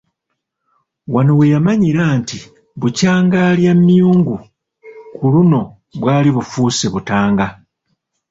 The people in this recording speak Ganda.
Wano we yamanyira nti bukyanga alya myungu, ku luno bwali bufuuse butanga.